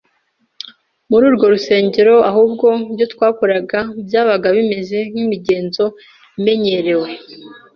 muri urwo rusengero ahubwo ibyo twakoraga byabaga bimeze nk’imigenzo imenyerewe